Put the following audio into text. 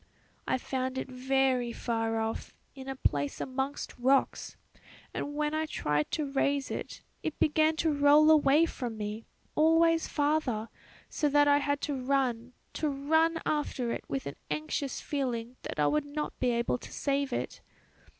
"I found it very far off, in a place amongst rocks; and when I tried to raise it, it began to roll away from me, always farther, so that I had to run, to run after it with an anxious feeling that I would not be able to save it.